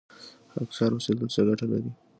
خاکسار اوسیدل څه ګټه لري؟